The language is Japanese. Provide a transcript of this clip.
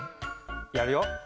やるよ。